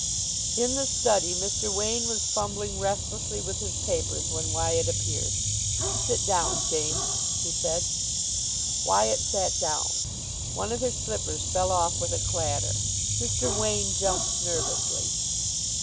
In the study Mr. Wain was fumbling restlessly with his papers when Wyatt appeared. "Sit down, James," he said. Wyatt sat down. One of his slippers fell off with a clatter. Mr. Wain jumped nervously.